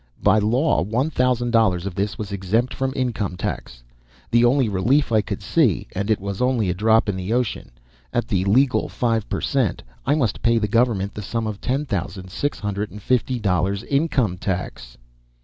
By law, one thousand dollars of this was exempt from income tax the only relief I could see, and it was only a drop in the ocean. At the legal five per cent., I must pay to the government the sum of ten thousand six hundred and fifty dollars, income tax!